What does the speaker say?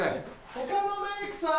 他のメイクさん。